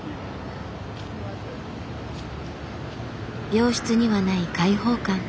病室にはない開放感。